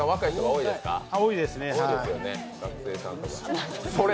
多いですね、はい。